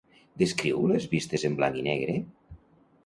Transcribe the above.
Descriu les vistes en blanc i negre?